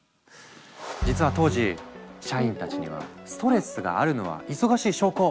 実は当時社員たちには「ストレスがあるのは忙しい証拠！